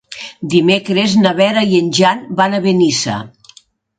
Dimecres na Vera i en Jan van a Benissa.